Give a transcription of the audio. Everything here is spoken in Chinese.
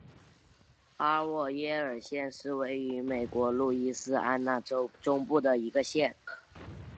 阿沃耶尔县是位于美国路易斯安那州中部的一个县。